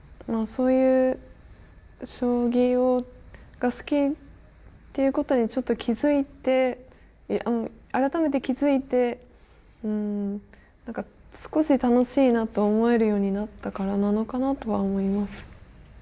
そういう将棋が好きっていうことにちょっと気付いて改めて気付いて少し楽しいなと思えるようになったからなのかなとは思います。